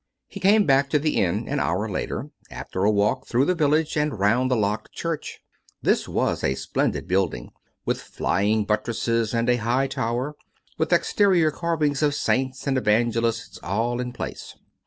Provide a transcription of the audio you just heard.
He came back to the inn an hour later, after a walk through the village and round the locked church: this was a splendid building, with flying buttresses and a high tower, with exterior carvings of saints and evangelists all in place.